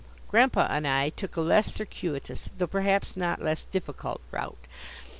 Grandpa and I took a less circuitous, though, perhaps, not less difficult route.